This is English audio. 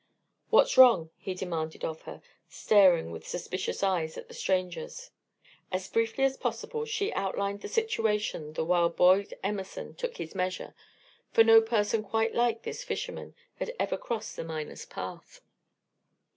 "What's wrong?" he demanded of her, staring with suspicious eyes at the strangers. As briefly as possible she outlined the situation the while Boyd Emerson took his measure, for no person quite like this fisherman had ever crossed the miner's path.